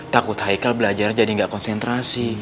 takut haikal belajar jadi gak konsentrasi